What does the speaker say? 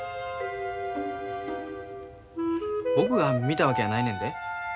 僕が見たわけやないねんで。